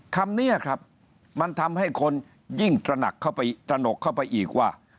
คำนี้ครับมันทำให้คนยิ่งตระหนักเข้าไปตระหนกเข้าไปอีกว่า